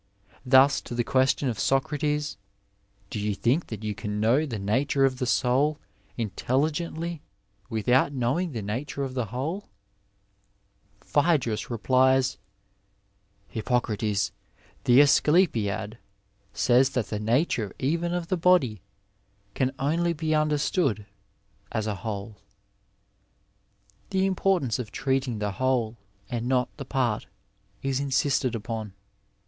Thus to the question of Socrates, " Do you think that you can know the nature of the soul intelligentiy without knowing the nature of the whole ?" Phsdrus replies, ^^ Hippocrates, the Asclepiad, says that the nature even of the body can only be understood as a whole." ^ The importance of treating the whole and not the part is insisted upon.